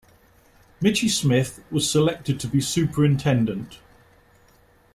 Michie Smith was selected to be superintendent.